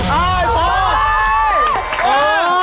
อ้าเพราะ